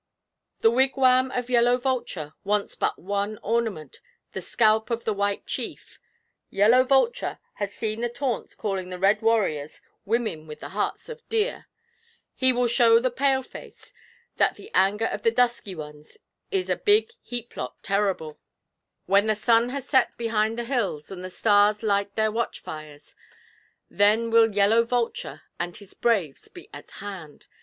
'The wigwam of Yellow Vulture wants but one ornament the scalp of the white chief. Yellow Vulture has seen the taunts calling the red warriors "women with the hearts of deer." He will show the Paleface that the anger of the dusky ones is a big heap lot terrible. When the sun has set behind the hills, and the stars light their watch fires, then will Yellow Vulture and his braves be at hand.